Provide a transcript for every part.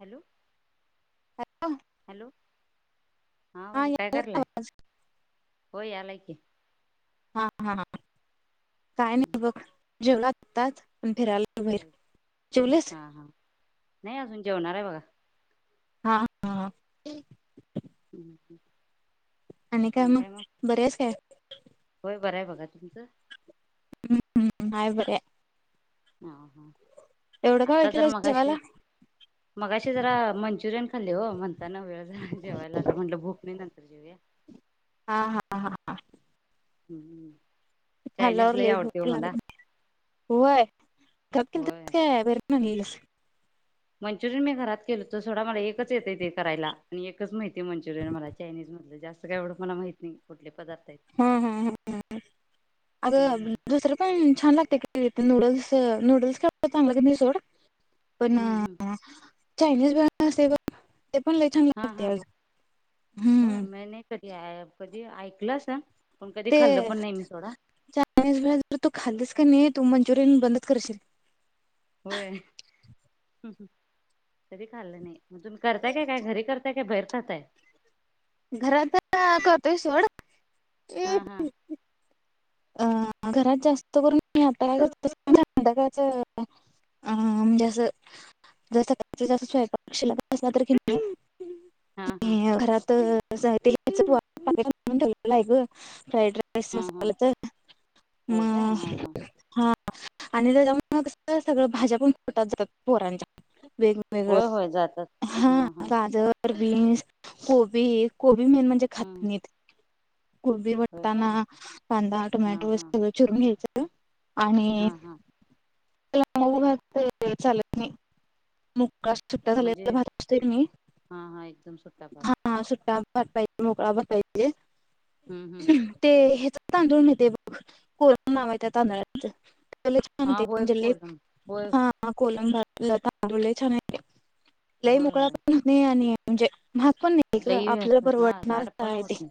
Hello hello hello हा वहिणी काय याला का कलाय आवाज होय यालाय की हा हा काय नाही बघ जगातात हा हा नाही अजून जेवणार आहे बघा हा हा हम्म हम् आणि काय मग बरच काय होय बरं आहे बघा तुमच हम्म हाय बर आहे हा हा एवढं का वेळ आत्ता जर केलायस जेवायला मगाशी मगाशी जरा मंच्यूरियन खाल्ले ओ. म्हणतान वेळ झाला जेवायला आता म्हंटलं भूक नाही नंतर जेवूया. हा, हा, हा, हा, हम्म हम्म. खाल्ल्यावर लयं भूक लागत नाही. व्हय घरात केलंत काय बाहेरून आणलेली. मंच्यूरियन मी घरात केलोतो सोडा. मला एकच येतय ते करायला. आणि एकच माहिती मंच्यूरियन मला चायनीज मध्ये. जास्त काय एवढं मला माहित नाही. कुठले पदार्थ आहेत हं, हं, हं, हं अग हम्म दुसरं पण छान लागतय की. नूडल्स-नूडल्स काय एवढं चांगलं लागत नाही सोड. पण हम्म हम्म अ. चायनीज भेळ असते बघ. ते पण लय छान हा हा लागत्या. हम्म. ते ऍप कधी ऐकलासा. ते चायनीज भेळ. जर तू खाल्लीस की नई. तू मंच्यूरियन बंदच करशील. होय कधी खाल्लं नाही. म तुम्ही करताय काय-काय. घरी करताय काय बाहेर खाताय? घरात आता करतोय सोड. हा हा. अ घरात जास्त करून हाता [inaudible] अं म्हणजे असं. जर सकाळचं जास्त स्वयंपाक शिल्लक असला तर कि हा हा नई. घरात साहित्य च पाकीट आणून ठेवलेल हाय ग. फ्राईड राईस हा हा मसाल्याच. म होय काय हा हा हा. आणि त्याच्यामुळे मग कस सगळं भाज्या पण पोटात जातात पोरांच्या. वेगवेगळं. होय होय जातात. हा गाजर. बीन्स, कोबीस-कोबी मेन म्हणजे खात हम्म नाहीत. कोबी, होय काय वटाणा, कांदा, हा टोमॅटो, हा सगळं चिरून घ्यायचं. आणि हा हा त्याला मऊ भात चालत नाही. मोकळा सुट्टा झालेला म्हणजे भात असतोय की नाही, हा हा एकदम सुट्टा भात हा सुट्टा. भात पाहिजे. मोकळा भात पाहिजे. हम्म ते ह्याच. तांदूळ मिळेतय बघ. कोलम नाव आहे त्या तांदळाच. लई छान हा होतोय. होय म्हणजे लई कोलम होय हा कोलम भात. तांदूळ लई छान आहे. लई होय मोकळा होय पण होत नाही. आणि म्हणजे. महाग पण नाही ग लई आपल्याला असत हा परवडणार राड पण आहे होत ते. नाही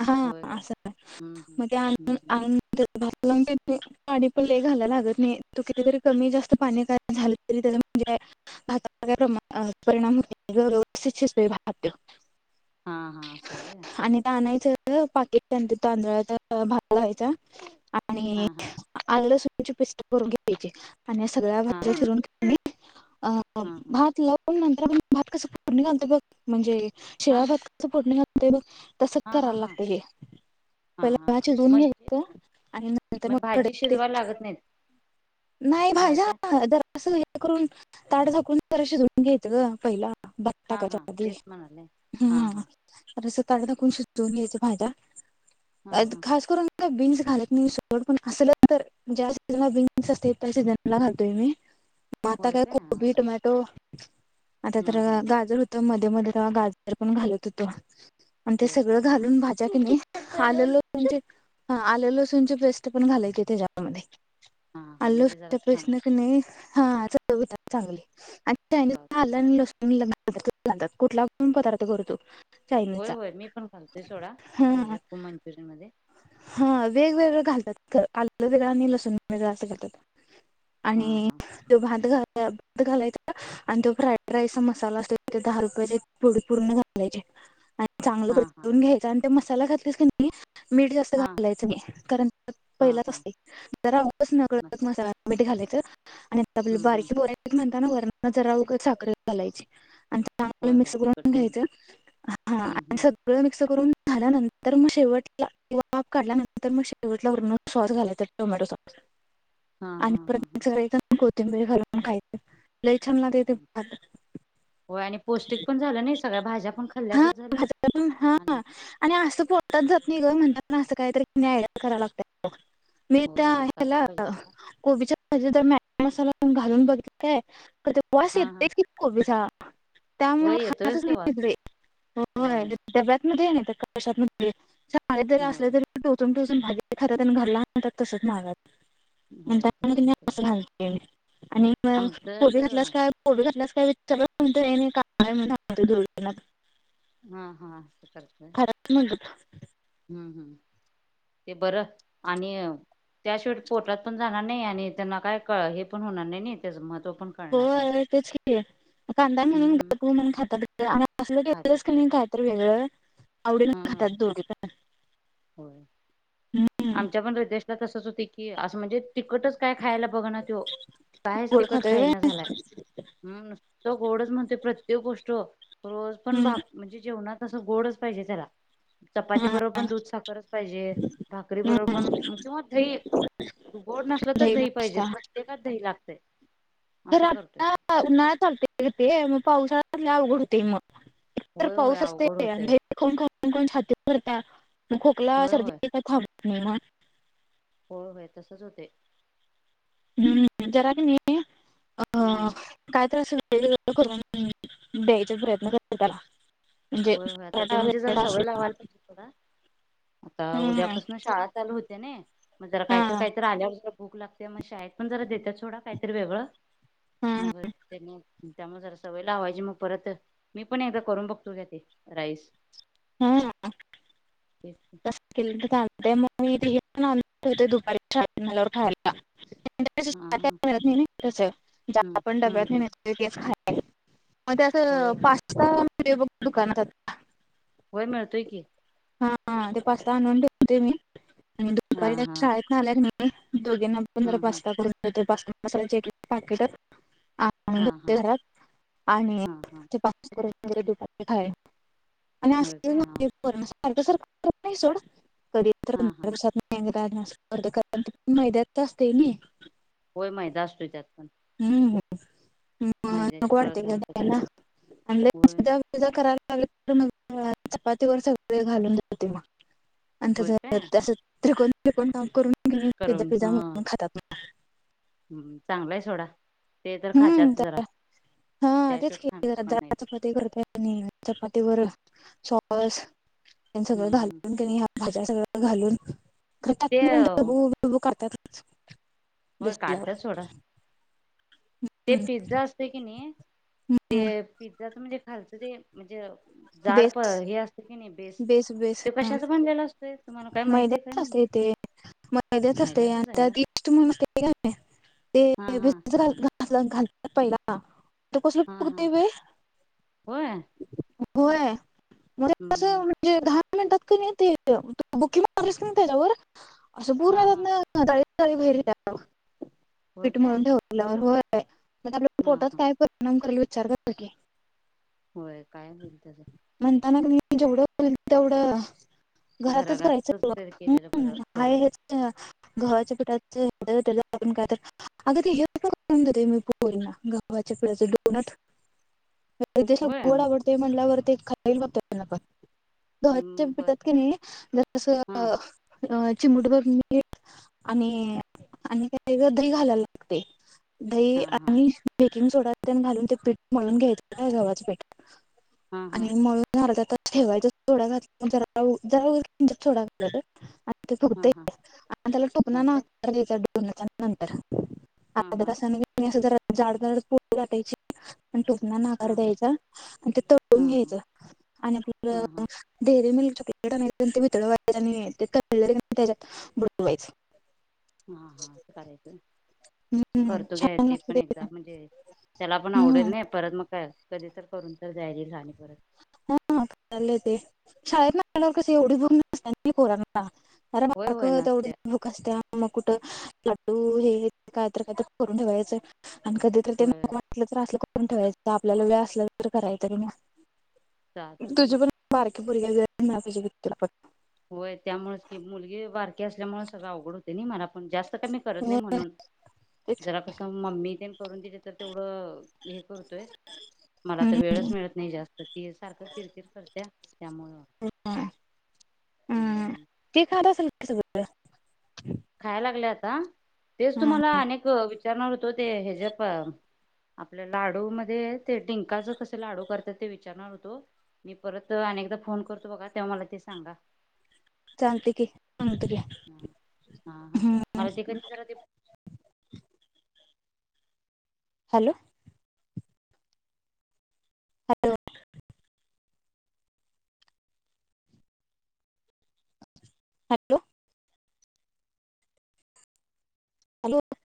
हा होय काय असं हम्म हम्म मग ते हम्म आणून दे. भात ला पाणी पण लई घालायला लागत नाही. तू किती जरी कमी जास्त पाणी झालं तरी. त्या म्हणजे भाताचा काय प्रमाण परिणाम होत नाही. व्यवस्थित शिजतोय भात त्यो हा हा असं आहे होय आणि ते आणायचं पाकीट तांदळाचा भात घालायचा आणि हा हा आंल सुद्धा. त्याची पेस्ट करून घ्यायची. आणि सगळ्या हा भाज्या हा चिरून की नई. अ हा हा भात लावून. नंतर आपण भात कसं फोडणी घालतोय बघ म्हणजे. हा शिळा भात कसा फोडणी घालतोय बघ, तसच हा हा करायला हा लागतेय हे. हा हा पहिला भात शीजवून म्हणजे घ्यायच, आणि नंतर मग भाजी कडईत शिजवायला तेल लागत नाहीत नाही भाज्या जरा अस हे करून ताट झाकून जरा शिजवून घ्यायचं ग पहिला. भात हा टाकायच्या हा आधी तेच म्हणाले हा हम्म हा अस सगळं. पाणी टाकून शिजवून घ्यायच्या भाज्या. हा आणि हा खास करून. बीन्स घालत नाही सोड. पण असल तर. बीन्स असते सिजनला घालतोय मी. आता होय काय हा कोबी, हा टोमॅटो, आता हा तर हा गाजर होतं मध्ये. मध्ये-मध्ये तवा गाजर पण घालत होतो. आणि ते होय काय सगळं हा घालून भाज्या कनी आले लसूणची, आले लसूणची पेस्ट पण घालायची त्याच्यामध्ये. हा हा आलं लसूण म्हणजे जरा च्या छान होत पेस्टन कणी, चव येत्या चांगली. स्वाद चायनीजला येतो. अल्ल लसूणची पेस्ट घालतात. कुठलाण पदार्थ कर तू. होय-होय मी पण घालतोय सोडा. हा हेच्यात कोबीमंचुरियन मध्ये. हा वेगवेगळं घालतात. आलं वेगळं आणि लसूण वेगळं असं घालतात. हा आणि हा तो भात घ घालायचा. आणि तो फ्राईड राईसचा मसाला असतो. तो दहा रुपयाचे पुडी पूर्ण घालायची. ह [unintelligible] चांगलं परतून घ्यायचं. आणि ते मसाला घातलीस की नई. मीठ जास्त हा घालायचं नाही. कारण हा पहिलाच हा असते जरा उगच नकळत मसाला मीठ घालायच. आणि आपल्याला हम्म हम्म बारकी पोर हाईत म्हणताना वरण जरा साखर घालायची. होय चांगलं होय मिक्स तिखट करून होऊन घ्यायचं. हा हम्म आणि हम्म सगळं मिक्स करून झाल्यानंतर मग शेवट वाफ काढल्यानंतर मग शेवटला. वरन सॉस घालायचा. Tomato sauce. हा आणि हा हा हा परत सगळीकडे कोथिंबीर घालून खायच. लई छान होतोय तो हम्म. भात. होय आणि पौष्टिक पण झालं नाही सगळ्या भाज्या पण हा. खाल्ल्यागत झालं आणि हा आणि आजत पोलतात ज [unintelligible] नाही ग. म्हणताना असं कायतरी आयड कराय लागत्या बघ. मी होय त्या होय करायला ह्याला पाहिजे सोडा कोबीच्या भाजी तर. मॅग मसाला घालून बघिल काय. पण तो वास हा येतोय हा की कोबीचा. त्यामुळे होय येतोयच खातच तो वास नाहीत ती. होय-होय होय डब्यातन दे कश्यातन दे. शाळेत जरी होय असले. तरी टोचून-टोचून भाजी खातात आणि घरला आणतात, तसच माग. होय म्हणताना तसच कणी होते अस घालतोय मी. आणि मग आमचं कोबी तर घातल्यास काय. कोबी घातल्यास काय विचारल्या वर. नाही-नाही घातला नाही म्हणून सांगतोय दोघाना. हा. हा. खरच म्हणलं. हम. हम. ते बरं आणि त्याशिवाटी पोटात पण जाणार नाही. आणि त्यांना काय हे पण होणार नाही. नाही त्याचं महत्त्व. पण हो कळणार नाही तेच कि. कांदा हाय म्हणून. हम्म म्हणून खातात ग. आणि असलं खात्यात घातलस होय कणी काय तर वेगळं. आवडीन खातात दोघे जण हो. आमच्या पण रीतेशला तसंच होतय की असं म्हणजे तिकटच काय खायला बघ ना त्यो. कायच गोड तिकट खातोय व्हय खाईना झालाय हम् फक्त गोडच म्हणतोय प्रत्येक गोष्ट, रोज पण हम्म भा-म्हणजे जेवततना तस गोडच पाहिजे त्याला, चपाती हा बरोबर पण दूध, साखरच पाहिजे. भाकरी बरोबर पण हम्म किंवा दही गोड नसलं तर दही पाहिजे, प्रत्येकात दही लागतय. तर आता उन्हाळ्यात चालतय कि ग ते मग पावसाळ्यात लय अवघड होतय मग एकतर होय होय पाऊस अवघड असतोय होतय आणि एक तर खाऊन-खाऊन छाती सरत्या. मग खोकला, होय सर्दी थांबत नाही मग हो, होय. तसच होतय. हम्म जरा कने हम्म.... [unintelligible] होय होय आता ते म्हणजे जरा सवय लावायला पाहिजे थोडा [unintelligible] आता हम्म उद्यापसन शाळा चालू हुत्या नाई, मग जरा हा कायतर-कायतर आल्यावर भूक लागत्या मग शाळेत पण जरा देत्यात सोडा, काय तर वेगळं हा मग तेनी त्यामुळ जरा सवय लावायची मग परत, मी पण एकदा करून बघतो घ्या ते राईस. [unintelligible] तेच की. ते मग मी हे पण आणुन ठेवते [unintelligible] दुपारी खायला हा हा त्याच्यापेक्षा हम्म आपल्या घरातील नेहमी तसं म्हणजे आपण हम्म हम्म डब्यातनी [unintelligible] तेच खाय मग ते आस होय होय पास्ता मिळतो बघ दुकानात होय मिळतोय की हा हा ते पास्ता आणून ठेवतोय मी आणि हा दुपारी हा शाळेतनं आल्या कणी दोघींना पण जरा हम्म हम्म पास्ता करून देतोय पास्ता मसाल्याची एक एक पाकीट आणून हा ठेवतोय हा घरात आणि हा हा ते पाकि म्हणजे तुपातले खाये तेच होय काय हा म्हणते पन सारखं सारखं करत नाही सोड कधी तर हा पंधरा हा दिवसातनं एकदा कारण आस [unintelligible] मैद्यात असतय नि होय मैदा अस्तोय त्यात पण हम ह म मैद्याचे नको वाटतय ग पदार्थ काय त्यांना होय [unintelligible] करायला लाग तर मग म चपातीवर सगळ घालून देतोय बघ आणि होय तसं काय तसं त्रिकोणी [unintelligible] काप करून पिझा पिझ्झा म्हणून खातात मग हम् चांगलाय सोडा ते तर हम्म खात्यात जरा हा अ तेच त्याशिवाय की खाणार [unintelligible] पण नाहीत चपाती करतोय चपातीवर सॉस सगळं हम्म हम्म घालून कनी ह्या भाज्या सगळ घालून खर ते त्याातन पण ढबू बिबू करत्यात होय काढत्यात सोडा ते पिझ्झा असतय कने ते पिझ्झाच म्हणजे खालचं ते म्हणजे जाड प बेस हे असत निका बेस बेस ते ह कशाचा बनलेला असतोय तुम्हाला काय माहितीय काय म्हटलं मैद्याचा असतया आणि मैद्याचच आहे होय त्यात इस्ट [unintelligible] ते हा हा [unintelligible] आपला घालता पिहिला त कसं हा पुरत हा व्हय होय होय म्हणजे कस हम्म हम्म एवढं दहा मिनटात [unintelligible] बुककी मारलीस की तेच्यावर असं हा पुर्ण हा त्यातन [unintelligible] बाहेर येत्या होय पीठ काय मळून ठेवल्यावर होय म्हणजे आपल्या हा पोटात हा काय परिणाम करल [unintelligible] होय काय होईल त्याचं मी जेवढं होईल तेवढं घरातच घराघात तस करायचं तरी की वो केलेलं बरं आहे होय हेच गव्हाच्या पिठात [unintelligible] आपण काय ते अग ते हे पण करुन देतोय मी पोरींना गव्हाच्या पिठाच डोनट [inaudible] रिधेश ला गोड आवडतय म्हंटल्यावर ते खता ईल बघत त्यांना पण. गव्हाच्या हम्म पिठात बरं की नाही जरास हा अं अं चिमुटभर मीठ आणि आणि काही दही घालायला लागतय. दही हा हा आणि बेकिंग सोडा तेन घालून ते पीठ मळून घ्यायच गव्हाच पीठ हा आणि हा मळून अर्धा ता ठेवायच थोड्या वेळात जरा जरा [unintelligible] किंचित सोडा घालायचं ते हा फुगतय हा आपण त्याला होय टोपणान काय आकार द्यायचा डोनट नंतर हा अर्धा हा तासान असं कीने आस जरा जाड जाड पोळी लाटायची आणि टोपनानं आकार हा हा द्यायचा आणि ते हा तळून हा घ्यायचं आणि आपल हा हा दे ते मिल्क चॉकलेट आणायचं ते वितळवायच आणि ते तळलेल तेच्यात बुडवायचं. हा हा करायचं हम्म करतो घ्या छान ते लागतं पण एकदा म्हणजे त्याला पण हम्म आवडेल नाही परत मग काय कधी तर करून तर जा येईल आणि परत हा [inaudible] काय चालंय ते शाळेत आल्यावर कस एवढी भुक नसती पोरांना अरे होय बारकु होय नसते तेवढीच भूक असते मग कुठं लाडू हे काय तर काय तर करून ठेवायचंय आणि कधीतरी ते होय नको वाटलं तर आसल पण ठेवायचं आपल्याला वेळ असल्याला तर करायचं तुम्ही चालतंय की [unintelligible] होय त्यामुळेच की मुलगी बारकी असल्यामुळे सगळं अवघड होते नाही मला पण जास्त कमी करत हम्म, नाही [inaudible] म्हणून जरा कसं मम्मी ते करून देते तर तेवढं [inaudible] हे करतोय मला तर हम्म, वेळच मिळत नाही जास्त ती सारखं किरकिर करत त्यामुळ [unintelligible] हा ती खात असल की [inaudible] सगळ खायला लागल्या आता तेच हा, तुम्हाला अनेक विचारणार होतो ते ह्याजप आपल्या लाडू मध्ये ते डिंकाच कस लाडू करतात ते विचारणार होतो मी परत अनेकदा फोन करतो बघा तेव्हा मला ते सांगा चालतंय की सांगतो की हम्म. हा- हा -हा [inaudible] मला ते कधी जरा ते हॅलो [unintelligible] हॅलो [unintelligible] हॅलो हॅलो [inaudible]